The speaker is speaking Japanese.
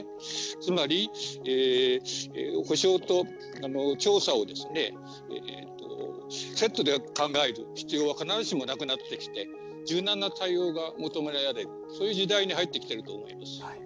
つまり、補償と調査をセットで考える必要は必ずしもなくなってきて柔軟な対応が求められるそういう時代に入ってきていると思います。